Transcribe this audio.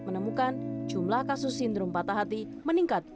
menemukan jumlah kasus sindrom patah hati meningkat